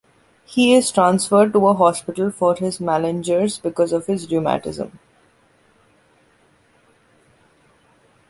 He is transferred to a hospital for malingerers because of his rheumatism.